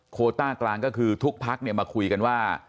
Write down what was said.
โคต้ากลางก็คือทุกพักมาคุยกันว่า